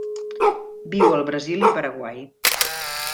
Viu al Brasil i Paraguai.